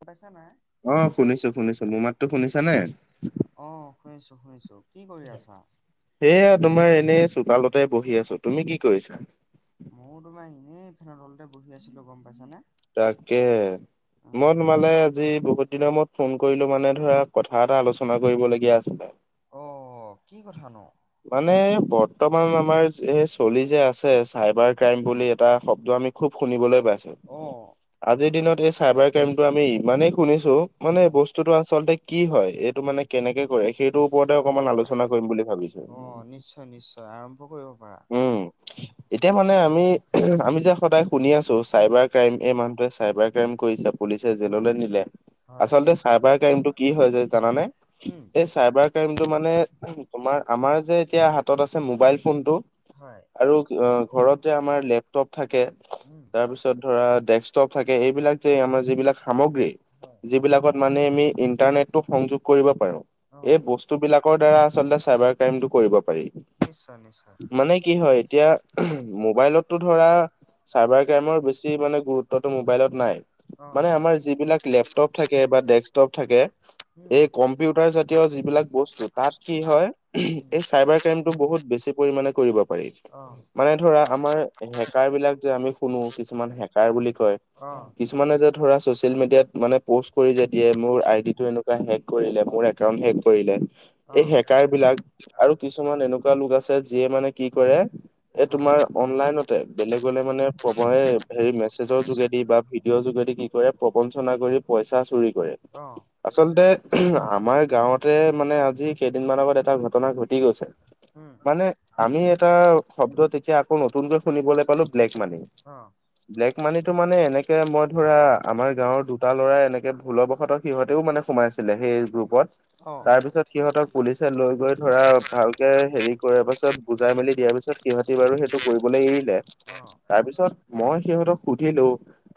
পইচা নাই অ শুনিছো শুনিছো মোৰ মাতটো শুনিছা নাই অ শুনিছো শুনিছো সেয়া তোমাৰ এনে চোতালতে বহি আছো তুমি কি কৰিছা ময়ো তোমাৰ এনেই ফেনৰ তলতে বহি আছিলো গম পাইছানে তাকে মই তোমালে আজি বহুত দিনৰ মূৰত ফোন কৰিলো মানে ধৰা কথা এটা আলোচনা কৰিবলগীয়া আছিলে মানে বৰ্তমান আমাৰ এইচ চলি যে আছে চাইবাৰ ক্ৰাইম বুলি এটা শব্দ আমি খুব শুনিবলৈ পাইছো আজিৰ দিনত সেই চাইবাৰ ক্ৰাইমটো আমি ইমানেই শুনিছো মানে বস্তু বস্তুটো আচলতে কি হয় এইটো মানে কেনেকে হয় সেইটোৰ ওপৰতে অকনমান আলোচনা কৰিম বুলি ভাবিছো ত আৰাম্ভ কৰিব পাৰা [inaudible] এতিয়া মানে আমি এউ আমি যে সদায় শুনি আছো চাইবাৰ ক্ৰাইম এই মানুহটোৱে চাইবাৰ ক্ৰাইম কৰিছে পুলিচে জেললে নিলে আচলতে চাইবাৰ ক্ৰাইমটো কি হয় যে জানানে এই চাইবাৰ ক্ৰাইমটো মানে তোমাৰ আমাৰ যে এতিয়া হাতত আছে মোবাইল ফোনটো আৰু অ ঘৰত যে আমাৰ লেপটপ থাকে তাৰপিছত ধৰা ডেক্সটপ থাকে এইবিলাক যে আমাৰ যিবিলাক সামগ্ৰী যিবিলাকত মানে আমি ইন্টাৰনেটতো সংযোগ কৰিব পাৰো এই বস্তু বিলাকৰ দ্বাৰা আচলতে চাইবাৰ ক্ৰাইমটো কৰিব পাৰি নিশ্চয় নিশ্চয় মানে কি হয় এতিয়া মোবাইলতটো ধৰা চাইবাৰ ক্ৰাইমৰ বেছি মানে গুৰুত্বটো মোবাইলত নাই মানে আমাৰ যিবিলাক লেপটপ থাকে বা ডেস্কটপ থাকে এই কম্পিউটাৰ জাতীয় যিবিলাক বস্তু তাত কি হয় এই চাইবাৰ ক্ৰাইমটো বহুত বেছি পৰিমাণে কৰিব পাৰি মানে ধৰা আমাৰ হেকাৰ বিলাক যে আমি শুনো কিছুমান হেকাৰ বুলি কয় কিছুমানে যে ধৰা ছচিয়েল মিডিয়াত মানে প'ষ্ট কৰি যে দিয়ে মোৰ আইডি টো এনেকুৱা হেক কৰিলে কালি হেক কৰিলে। এই হেকাৰ বিলাক আৰু কিছুমান এনেকুৱা লোক আছে যিয়ে মানে কি কৰে এই তোমাৰ অনলাইনতে বেলেগ-বেলেগ মানে হেৰি মেছেজৰ যোগেদি বা ভিডিঅ'ৰ যোগেদি কি কৰে প্ৰবঞ্চনা কৰি পইচা চুৰি কৰে। অহ'। আচলতে আমাৰ গাঁৱতে মানে আজি কেইদিনমানৰ আগত এটা ঘটনা ঘটি গৈছে। মানে আমি এটা শব্দ তেতিয়া আকৌ নতুনকৈ শুনিবলৈ পালো ব্লেক মানি। [inaudible] ব্লেক মানিটো মানে এনেকে মই ধৰা আমাৰ গাঁৱৰ দুটা ল'ৰা এনেকে ভুলবশতঃ সিহঁতেও মানে সোমাই আছিলে সেই গ্ৰুপত। অঁ'। সিহঁতক পুলিছে লৈ গৈ ধৰা ভালকে হেৰি কৰাৰ পাছত বুজাই মেলি দিয়াৰ পিছত সিহঁতি বাৰু সেইটো কৰিবলৈ এৰিলে। তাৰ পিছত মই সিহঁতক সুধিলো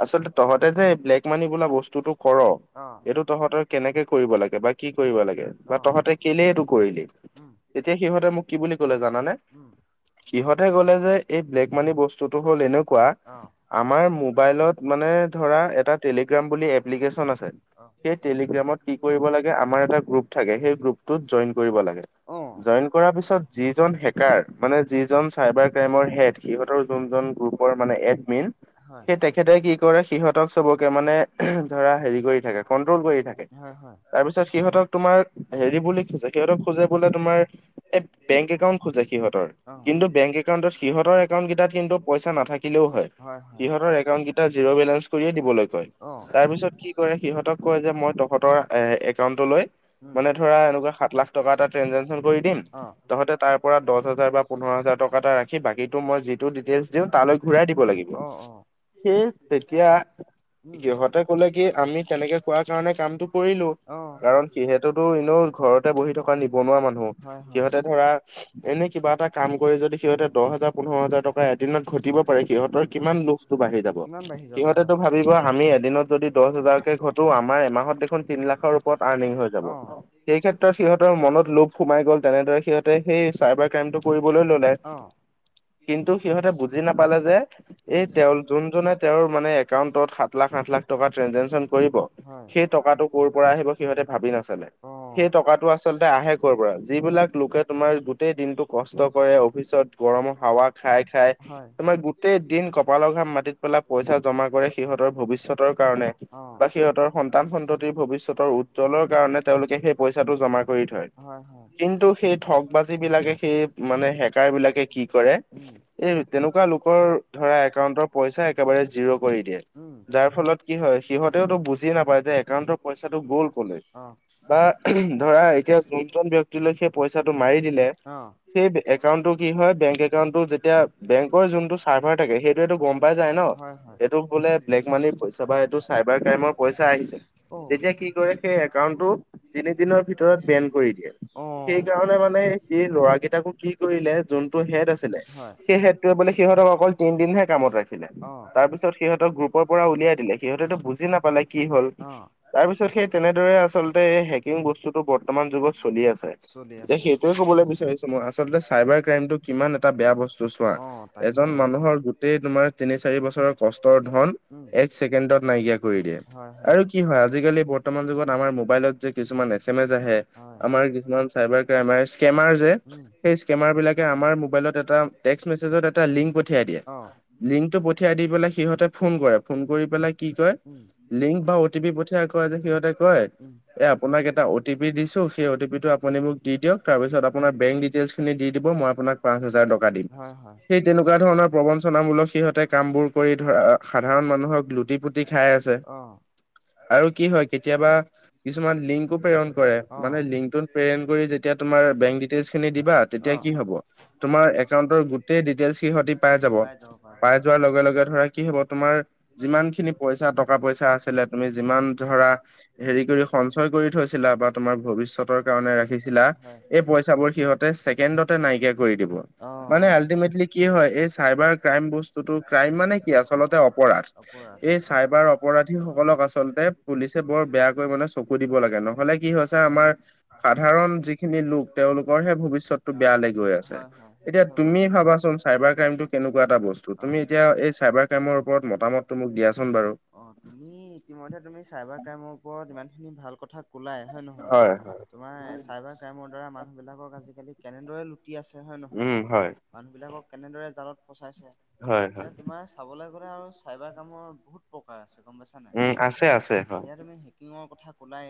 আচলতে তহঁতে যে ব্লেক মানি বোলা বস্তুটো ক'ৰ এইটো তহঁতৰ কেনেকে কৰিব লাগে বা কি কৰিব লাগে বা তহঁতে কেলে এইটো কৰিলি। তেতিয়া সিহঁতে মোক কি বুলি ক'লে জানানে। সিহঁতে ক'লে যে এই ব্লেক মানি বস্তুটো হ'ল এনেকুৱা আমাৰ মোবাইলত মানে ধৰা এটা টেলিগ্ৰাম বুলি এপ্লিকেছন আছে। সেই টেলিগ্ৰামত কি কৰিব লাগে আমাৰ এটা গ্ৰুপ থাকে সেই গ্ৰপটোত জইন কৰিব লাগে। জইন কৰা পিছত যিজন হেকাৰ মানে যিজন চাইবাৰ ক্ৰাইমৰ হেড, সিহঁতৰ যোনজন গ্ৰুপৰ মানে এডমিন সেই তেখেতে কি কৰে সিহঁতক চবকে মানে ধৰা হেৰি কৰি থাকে কন্ট্ৰল কৰি থাকে। তাৰ পিছত সিহঁতক তোমাৰ হেৰি বুলি খোজে, সিহঁতক খোজে বোলে তোমাৰ একাউণ্ট খোজে সিহঁতৰ কিন্তু বেংক একাউণ্টত সিহঁতৰ একাউণ্ট কেইটাত কিন্তু পইচা নাথাকিলেও হয়। সিহঁতৰ একাউট কেইটা জিৰ' বেলেঞ্চ কৰিয়ে দিবলৈ কয়, তাৰ পিছত কি কৰে সিহঁতক কয় যে মই তহঁতৰ একাউন্টটো লৈ মানে ধৰা এনেকুৱা সাত লাখ টকা এটা ত্ৰঞ্জেকচন কৰি দিম তহঁতে তাৰ পৰা দহ হাজাৰ বা পোন্ধৰ হাজাৰ টকা এটা ৰাখি বাকীতো মই যিটো ডিটেইলচ দিওঁ তালৈ ঘূৰাই দিব লাগিব। সেই তেতিয়া সিহঁতে ক'লে কি আমি তেনেকে কোৱাৰ কাৰণে কামটো কৰিলো কাৰণ সিহঁতেতো এনেও ঘৰতে বহি থকা নিবনুৱা মানুহ, সিহঁ তে ধৰা এনে কিবা এটা কাম কৰি যদি সিহঁতে দহ হাজাৰ পোন্ধৰ হাজাৰ টকা এদিনত ঘটিব পাৰে সিহঁতৰ কিমান লোভটো বাঢ়ি যাব, সিহঁতেটো ভাবিব আমি এদিনত যদি দহ হাজাৰকে ঘটো আমাৰ এমাহত দে খোন তিনি লাখৰ ওপৰত আৰ্নিং হৈ যাব, সেই ক্ষেত্ৰত সিহঁতৰ মনত লোভ সোমাই গ'ল তেনেদৰে তাতে সেই চাইবাৰ ক্ৰাইমটো কৰিবলৈ ল'লে। কিন্তু সিহঁতে বুজি নাপালে যে এই তেওঁৰ যোনজনে তেওঁৰ মানে একাউন্টত সাত লাখ আঠ লাখ টকা ট্ৰাঞ্চিচন কৰিব সেই টকাটো ক'ৰ পৰা আহিব সিহঁতে ভাবি নাচালে, সেই টকাটো আচলতে আহে ক'ৰ পৰা, যিবিলাক লোকে তোমাৰ গোটেই দিনটো কষ্ট কৰে অফিচত গৰমৰ হাৱা খাই খাই তোমাৰ গোটেই দিন কপালৰ ঘাম মাটিত পেলাই পইচা জমা কৰে সিহঁতৰ ভৱিষ্যতৰ কাৰণে। অঁ'। সিহঁতৰ সন্তান সন্ততিৰ ভৱিষ্যতৰ উজ্জ্বলৰ কাৰণে তেওঁলোকে সেই পইচাটো জমা কৰি থয়। অহ' হয়। ঠগ বাজি বিলাকে সেই মানে হেকাৰ বিলাকে কি কৰে এই তেনেকুৱা লোকৰ ধৰা একাউণ্টৰ পইচা একেবাৰে জিৰ' কৰি দিয়ে যাৰ ফলত কি হয় সিহঁতেতো বুজি নাপায় যে একাউণ্টৰ পইচাটো গ'ল কলে? বা ধৰা এতিয়া যোনজন ব্যক্তিলৈ সে মাৰি দিলে। অ'। সেই একাউণ্টটো কি হয়- বেংক একাউণ্টটো তেতিয়া লেংক কয়িছিলোং, চাৰ্ভাৰ হয় হয়। তেতিয়া কি কৰে সেই একাউণ্টটো তিনিদিনৰ ভিতৰত বেন কৰি দিয়ে। সেই কাৰণে মানে সেই ল'ৰাকেইটাকো কি কৰিলে যোনটো হেড আছিলে সেই হেডটোৱে মানে সিহঁতক অকল তিনিদিনহে কামত ৰাখিলে। তাৰ পিছত সিহঁতক গ্ৰুপৰ পৰা উলিয়াই দিলে, সিহঁতেটো বুজি নাপালে কি হল! তাৰপিছত সেই তেনেদৰে আচলতে এই হেকিং বস্তুটো বৰ্তমান যুগত চলি আছে। এতিয়া সেইটোৱে কবলৈ বিচাৰিছো মই আচলতে চাইবাৰ ক্ৰাইমটো কিমান এটা বেয়া বস্তু চোৱা- এজন মানুহৰ গোটেই তোমাৰ তিনি-চাৰি বছৰৰ কচ টৰ ধন, এক ছেকেণ্ডত নাইকিয়া কৰি দিয়ে। আৰু কি হয় আজি-কালি বৰ্তমান যুগত আমাৰ মোবাইলত যে কিছুমান এছ এম এছ আহে, আমাৰ কিছুমান উম' অঁ' লিংকটো পঠিয়াই দি পেলাই সিহঁতে ফোন কৰে, ফোন কৰি পেলাই কি কয়, লিংক বা অ' টি পি পঠিয়াই কয় যে সিহঁতে কয় এ আপোনাক এটা অ টি পি দিছো সেই অ টি পি'টো আ পুনি মোক দি দিয়ক তাৰপিছত আপোনাৰ বেংক ডিটেইলছ খিনি দি দিব মই আপোনাক পাঁচ হাজাৰ টকা দিম। তেনেকুৱা ধৰণৰ প্ৰবঞ্চনামূলক সিহঁতে কামবোৰ কৰি ধৰা সাধাৰণ মানুহক লুট টি-পুটি খাই আছে। আৰু কি হয়- কেতিয়াবা কিছুমান লিংকো প্ৰেৰণ কৰে, মানে লিংকটোত প্ৰেৰণ কৰি যেতিয়া তোমাৰ বেংক ডিটেইলছ খিনি দিবা তেতিয়া কি হ'ব? তোমাৰ একাউণ্টৰ গোট টেই ডিটেইলচ সিহতি পাই যাব। পাই যোৱাৰ লগে-লগে ধৰা কি হব তোমাৰ যিমান খিনি পইচা টকা-পইচা আছিলে তুমি যিমান ধৰা হেৰি কৰি সঞ্চয় কৰি থৈছিলা বা তুমাৰ ভৱিষ্যতৰ কাৰণে ৰাখিছিলা, এই পইচাবোৰ সিহঁতে ছেকেণ্ডতে নাইকিয়া কৰি দিব, মানে আলটিমেটলি কি হয় এই চাইবাৰ ক্ৰাইম বস্তুটো ক্ৰাইম মানে কি আচল্ততে অপৰাধ। এই চাইবাৰ অপৰাধীসকলক আচলতে পুলিচে বৰ বেয়াকৈ মানে চকু দিব লাগে নহলে কি হৈছে আমাৰ সাধাৰণ যিখিনি লোক তেওঁলোকৰহে ভৱিষ্যতটো বেয়ালৈ গৈ আছে। এতিয়া তুমিয়ে ভাবাচোন চাইবাৰ ক্ৰাইমটো কেনেকুৱা এটা বস্তু, তুমি এতিয়া এই চাইবাৰ ক্ৰাইমৰ ওপৰত মতামতটো মোক দিয়াচোন বাৰু? অঁ', তুমি ইতিমধ্যে তুমি চাইবাৰ ক্ৰাইমৰ ওপৰত ইমানখিনি ভাল কথা কুলাই, হয় নহয়? তোমাৰ চাইবাৰ ক্ৰাইমৰ দ্বাৰা মানুহবিলাকক আজি-কালি কেনেদৰে লু টি আছে হয় নহয়? মানুহবিলাকক কেনেদৰে জালত ফচাইছে। এতিয়া তোমাৰ চাবলে গ'লে আৰু চাইবাৰ কামৰ বহুত প্ৰকাৰ আছে গম পাইছা নাই? এতিয়া তুমি হেকিঙৰ কথা কলাই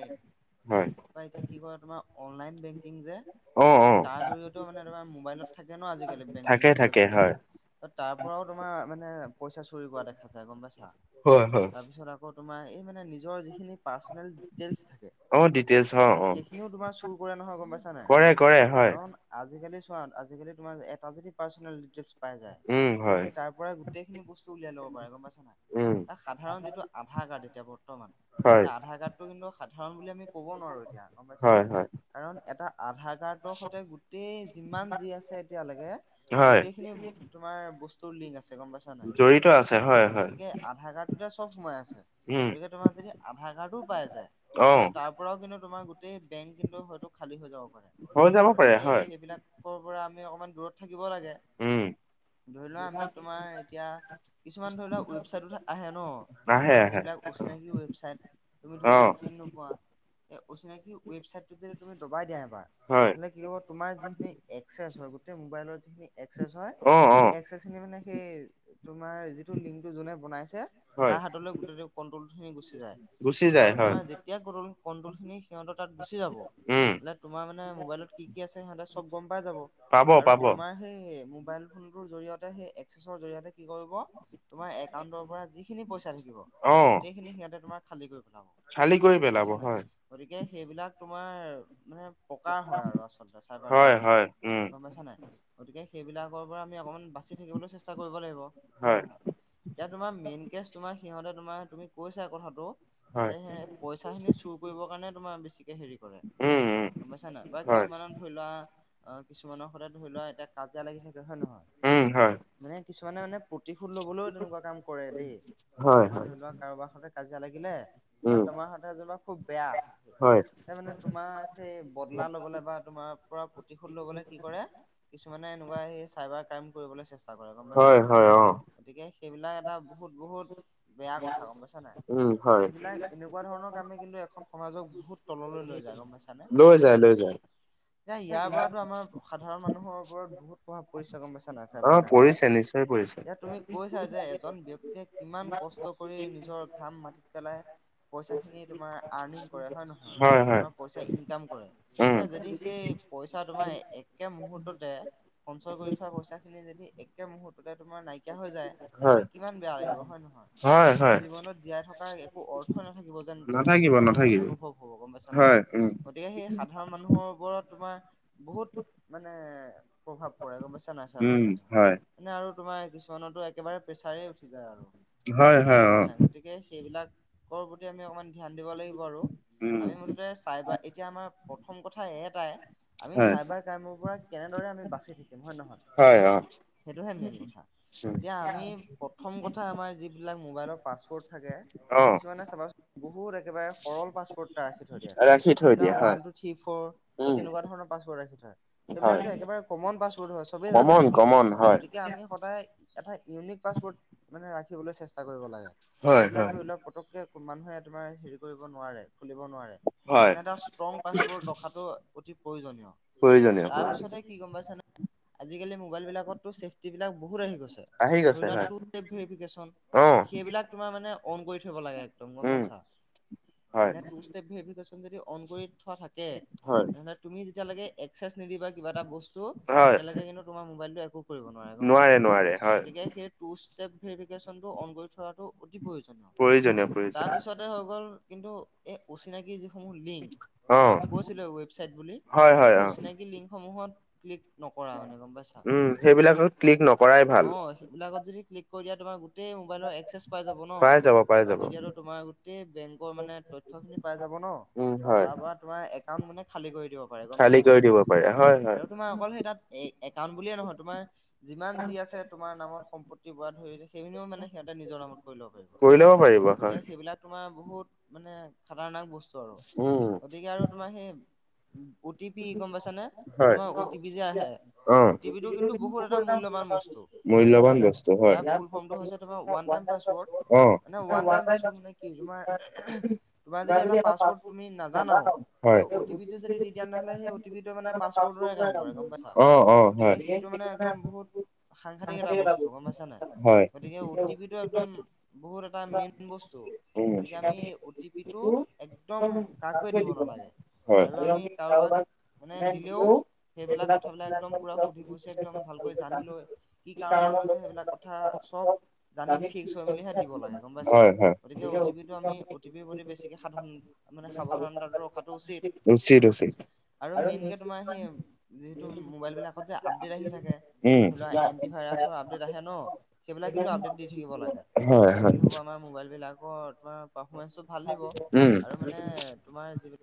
তাৰ এতিয়া কি কৰে তোমাৰ - অনলাইন বেংকিং যে এই তাৰ জৰিয়তেও মানে তুমাৰ মোবাইলত থাকে ন আজিকালি বেংকিং ডিটেইলছ বিলাক। ত' তাৰ পৰাও তোমাৰ মানে পইচা চুৰি কৰা দেখা যায় গম পাইছা? তাৰপিছত আক কৌ তোমাৰ এই মানে নিজৰ পাৰ্ছনেল ডিটেইলছ থাকে সেই সেইখিনিও তোমাৰ চুৰ কৰে নহয় গম পাইছ নাই? কাৰণ আজি-কালি চোৱা- আজি-কালি তোমাৰ এটা যদি পাৰ্চনেল ডিটেইলছ পাই যায়, মানে সেই তাৰ পৰা টেই খিনি বস্তু উলিয়াই লব পাৰে গম পাইছা নাই? সাধাৰণ যিটো আধাৰ কাৰ্ড এতিয়া বৰ্তমান, সে আধাৰ কাৰ্ডটো কিন্তু সাধাৰণ বুলি আমি কব নোৱাৰোঁ এতিয়া গম পাইছে নাই? কাৰণ এটা আধাৰ আৰ সতে গোটেই যিমান যি আছে এতিয়ালৈকে গোটেই খিনি তোমাৰ বস্তুৰ লিংক আছে গম পাইছানে নাই অ গতিকে আধাৰ কাৰ্ড চব সোমাই আছে গতিকে তোমাৰ যদি আধাৰ কাৰ্ডও পাই যায় যে হ'লে তাৰ পৰাও কিন্তু তোমাৰ গো গোটেই বেংক কিন্তু হয়তো খালী হৈ যাব পাৰে গতিকে সেইবিলাক কৰা পৰা আমি অকণমান দূৰত থাকিব লাগে ধৰি লোৱা আমি তোমাৰ এতিয়া তুমি ধৰি লোৱা ৱেবচাইট আহে ন তোমাৰ যিবিলাক অচিনাকি ৱেবচাইট তুমি ধৰি লোৱা চিন নোপোৱা অচিনাকি ৱেবচাইটটোতে যদি তুমি দবাই দিয়া এবাৰ তেনে কি হ'ব তোমাৰ যিখিনি এক্সেছ হয় গোতেই মোবাইলৰ যিখিনি এক্সেছ হয় সেই এক্সেছ খিনি মানে সেই তোমাৰ যিটো লিংটো যোনে বনাইছে তাৰ হাতলৈ গোটে কণ্ট্ৰল খিনি গুচি যায়। আৰু তোমাৰ যেতিয়া কলৰ কণ্ট্ৰল খিনি সিহঁতৰ তাত গুচি যাব এ তোমাৰ মানে মোবাইলত কি কি আছে সিহঁতে চব গম পাই যাব আৰু তোমাৰ সেই মোবাইল। ফোনটোৰ জৰিয়তে সেই এক্সেছৰ জৰিয়তে কি কৰিব তুমাৰ একাউণ্টৰ পৰা যিখিনি পইচা থাকিব গোটেই খিনি সিহঁতে তোমাৰ খালী কৰি পেলাব গম পাইছা নাই। গতিকে সেইবিলাক তোমাৰ মানে প্ৰকাৰ হয় আৰু আচলতে চাইবাৰ ক্ৰাইম গম পাইছা নাই। গতিকে সেইবিলাকৰ পৰা আমি অকণমান বাছি থাকিবলৈ চেষ্টা কৰিব লাগিব হয়নে নহয়? এতিয়া তোমাৰ মেইন কেছ তোমাৰ সিহঁতে তোমাৰ তুমি কৈছা কথাটো। যে সে পইচা খিনি চুৰ কৰিবৰ কাৰণে তোমাৰ বেছিকে হেৰি কৰে। গম পাইছা নাই বাাৰু কিছুমানত ধৰি লোৱা অ কিছুমানৰ সদায় ধৰি লোৱা এতিয়া কাজিয়া লাগি থাকে হয় নে নহয়। উম হয়। মানে কিছুমানে মানে প্ৰতিশোধ লবলৈও তেনেকুৱা কাম কৰে দেই তোমাৰ ধৰি লোৱা বা কাৰোবাৰ সতে কাজিয়া লাগিলে বা তোমাৰ হাতে জেনেবা খুব বেয়া সেই মানে তোমাৰ সেই বদলা ল'বলৈ বা তোমাৰ পৰা প্ৰতিশোধ ল'বলৈ কি কৰে? কিছুমানে এনেকুৱা সেই চাইবাৰ ক্ৰাইম কৰিবলৈ চেষ্টা কৰে গম পাইছা। গতিকে সেইবিলাক এটা বহুত বহুত বেয়া কথা গম পাইছা নাই? এইবিলাক এনেকুৱা ধৰণৰ কামে কিন্তু এখন সমাজক বহুত তললৈ লৈ যায় গম পাইছানে? লৈ যায় লৈ যায়। এতিয়া ইয়াৰ পৰা তো আমাৰ সাধাৰণ মানুহৰ ওপৰত বহুত প্ৰভাৱ পৰিছে গম পাইছা নাই চাইবাৰ ক্ৰাইম ওপৰত। ইয়াত তুমি কৈছা যে এজন ব্যক্তিয়ে কিমান কষ্ট কৰি নিজৰ ঘাম মাটতিত পেলায়। পইচা খিনি তোমাৰ আৰ্নিং কৰে হয় নহয় তোমাৰ পইচা ইনকাম কৰে যদি সেই পইচা তোমাৰ একে মুহূৰ্ততে সঞ্চয় কৰি থোৱা পইচা খিনি যদি এই মুহূৰ্ততে তোমাৰ নাইকিয়া হৈ যায় মানে কিমান বেয়া লাগিব হয় নহয়। কিবা জীৱনত জীয়াই থকা একো অৰ্থই নাথাকিব যেন তেওঁ মানে অনুভৱ হ'ব গম পাইছা নাই? গতিকে সেই সাধাৰণ মানুহৰ ওপৰত তোমাৰ বহুত মানে প্ৰভাৱ পৰে গম পাইছা নাই চাইবাৰ ক্ৰাইমত। এনে আৰু তোমাৰ কিছুমানতো একেবাৰে প্ৰেছাৰে উঠি যায় আৰু গম পাইছা নাই? গতিকে সেইবিলাকৰ প্ৰতি আমি অকণমান ধ্যান দিব লাগিব আৰু আমি চাইবাৰ এতিয়া আমাৰ প্ৰথম কথা এটাই। আমি চাইবাৰ ক্ৰাইমৰ পৰা কেনেদৰে আমি বাচি থাকিম হয় নে নহয়। সেইটোহে মেইন কথা। এতিয়া আমি। প্ৰথম কথা, আমাৰ যিবিলাক মোবাইলৰ পাছৱৰ্ড থাকে। কিছুমানে চাবাচোন, বহুত একেবাৰে সৰল পাছৱৰ্ড এটা ৰাখি থৈ দিয়ে। ধৰিলোৱা ওৱান, টু, থ্ৰী, ফ'ৰ এই তেনেকুৱা ধৰণৰ পাছৱৰ্ড ৰাখি থয়। সেইবিলাকটো একেবাৰে কমন পাছৱৰ্ড হয়। চবেই জানে আৰু। গতিকে আমি সদায় এটা ইউনিক পাছৱৰ্ড মানে ৰাখিবলৈ চেষ্টা কৰিব লাগে। যিবিলাক ধৰি লওক পটককে কোন মানুহে তোমাৰ হেৰি কৰিব নোৱাৰে। খুলিব নোৱাৰে। এনে এটা ষ্ট্ৰং পাছৱৰ্ড ৰখাটো অতি প্ৰয়োজনীয়। তাৰ পিছতে কি গম পাইছানে? আজি-কালি মোবাইল বিলাকতটো ছেফটিবিলাক বহুত আহি গৈছে। টু ষ্টেপ ভে ভেৰিফিকেচন সেইবিলাক তোমাৰ মানে অনকৰি থব লাগে একদম গম পাইছা? মানে টু ষ্টেপ ভেৰিফিকেশন যদি অন কৰি থোৱা থাকে। তেনেহ'লে তুমি যেতিয়ালৈকে এক্সেছ নিদিবা কিবা এটা বস্তু তেতিয়ালৈকে কিন্তু তোমাৰ মোবাইলটো একো কৰিব নোৱাৰে গম পাইছা। গতিকে সেই টু ষ্টেপ ভেৰিফিকেশ্যনটো অন কৰি থোৱাটো অতি প্ৰয়োজনীয়। তাৰপিছতে হৈ গ'ল কিন্তু এই অচিনাকি যি সমূৰ লিংক তোমাক কৈছিলোৱে ৱেবচাইড বুলি। সেই অচিনাকি লিংকসমূহত ক্লিক নকৰা মানে গম পাইছা? সেই, অঁ সে বিলাকত যদি ক্লিক কৰি দিয়া তোমাৰ গোটেই মোবাইলৰ এক্সেছ পাই যাব ন '? আৰু তেতিয়াটো তোমাৰ গোটেই বেংকৰ মানে, তথ্যখিনি পাই যাব ন' আৰু তাৰপৰা তোমাৰ একাউণ্ট মানে খালী কৰি দিব পাৰে গম পাইছা? আৰু তোমাৰ অকল সেই তাত এ একাউণ্ট বুলিয়ে নহয়, তোমাৰ যিমান যি আছে তোমাৰ নামত সম্পত্তিৰ পৰা ধৰি সেইখিনিও মানে সিহঁতে নিজৰ নামত কৰি ল'ব পাৰিব। গতিকে, সেইবিলাক তোমাৰ বহুত মানে খাটাৰ্ণাক বস্তু আৰু। গতিকে আৰু তোমাৰ সেই অ' টি পি গম পাইছানে? এতিয়া তোমাৰ অ' টি পি যে আহে, অ' টি পিটো কিন্তু বহুত এটা মূল্যবান বস্তু। মূল্যৱান বস্ ইয়াৰ ফুল ফৰ্মটো হৈছে তোমাৰ ওৱান টাইম পাছ ৱৰ্ড। মানে ওৱান টাইম পাছ ৱৰ্ড মানে কি? তোমাৰ [unintelligible] তোমাৰ যদি এটা পাছ ৱৰ্ড তুমি নাজানও সেই অ' টি পিটো যদি দি দিয়া, নহলে সেই অ টি পিটোৱে মানে পাছৱৰ্ডৰে কাম কৰে গম পাইছা? গতিকে, সেইটো মানে একদম বহুত সাংঘাতিক এটা বস্তু গম পাইছা নাই? গতিকে অ টি পিটো একদম বহুত এটা মেইন বস্তু গতিকে, আমি অ টি পিটো একদম কাকোৱে দিব নালাগে। আৰু আমি কাৰোবাক মানে, দিলেও সেইবিলাক কথাবিলাক একদম পুৰা সুধি-পুছি একদম ভালকৈ জানি লৈ কি কাৰণত লৈ ছে সেইবিলাক কথা চব জানি ফিক্স হৈ মেলিহে দিব লাগে, গম পাইছা? গতিকে, অ টি পিটো আমি অ টি পিৰ প্ৰতি বেছিকে সাধন তাৰমানে সাৱধানতাটো ৰখাটো উচিত। আৰু মেইনকে তোমাৰ সেই যিহেতু মোবাইল বিলাকত যে আপডেট আহি থাকে। উম, কোৱা? এন টি ভাইৰাছৰ আপডেট আহে ন'? সেইবিলাক কিন্তু আপডেট দি থাকিব লাগে। তেতিয়া কি হ'ব আমাৰ মোবাইল বিলাকৰ তোমাৰ পাৰফৰ্মেঞ্চটো ভাল দিব আৰু মানে তোমাৰ যিবি